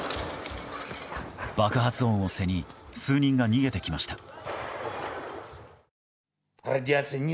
爆発音を背に数人が逃げてきました。